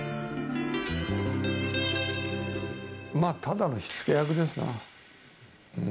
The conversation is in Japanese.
ただの火付け役ですな。